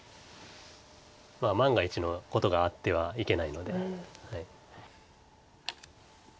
万が一のことがあってはいけないので。